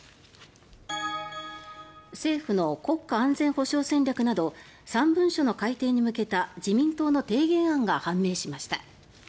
政府の国家安全保障戦略など３文書の改定に向けた自民党の提言案が判明しました。